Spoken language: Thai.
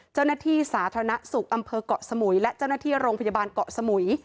เจ้าหน้าที่สาธารณสุขอำเภอกเกาะสมุยและเจ้าหน้าที่โรงพยาบาลเกาะสมุย